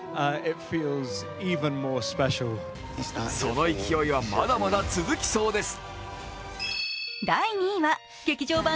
その勢いは、まだまだ続きそうです。